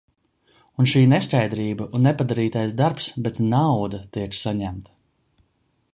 Un šī neskaidrība un nepadarītais darbs, bet nauda tiek saņemta.